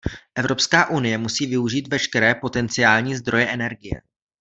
Evropská unie musí využít veškeré potenciální zdroje energie.